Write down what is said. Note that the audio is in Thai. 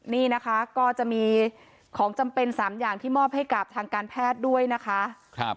นี่นะคะก็จะมีของจำเป็น๓อย่างที่มอบให้กับทางการแพทย์ด้วยนะคะ